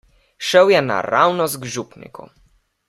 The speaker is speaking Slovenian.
Šel je naravnost k župniku.